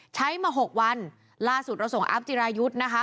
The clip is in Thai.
ใช้มาหกวันล่าสุดเราส่งอัพจิรายุทธ์นะคะ